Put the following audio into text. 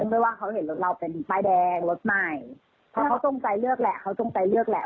เพราะว่าเขาเห็นรถเราเป็นป้ายแดงรถใหม่เพราะเขาจงใจเลือกแหละเขาจงใจเลือกแหละ